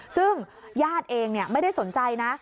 ซึ่งญาติเองไม่ได้สนใจนะ